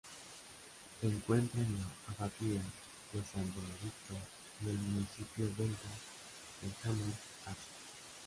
Se encuentra en la Abadía de San Benedicto en el municipio belga de Hamont-Achel.